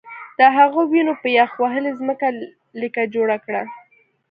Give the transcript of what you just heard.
د هغه وینو په یخ وهلې ځمکه لیکه جوړه کړه